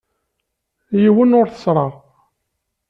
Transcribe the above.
Yiwen ur t-tteṣṣreɣ.